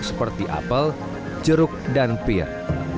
seperti apel jeruk dan pir